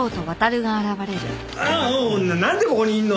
ああもうなんでここにいるの！？